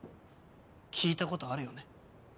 聞いたことあるよね。